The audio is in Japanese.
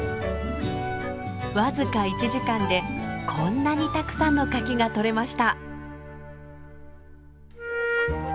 僅か１時間でこんなにたくさんの柿が採れました。